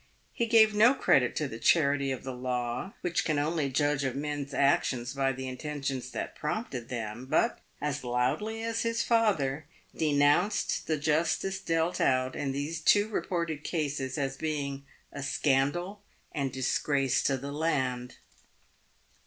He gave no credit to the charity of the law, which can only judge of men's actions by the in tentions that prompted them, but, as loudly as his father, denounced the justice dealt out in these two reported cases as being a scandal and disgrace to the land.